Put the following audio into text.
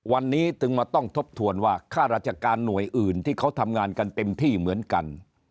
วันนี้จึงมาต้องทบทวนว่าค่าราชการหน่วยอื่นที่เขาทำงานกันเต็มที่เหมือนกัน